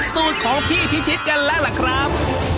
สูตรของพี่พิชิตกันแล้วล่ะครับ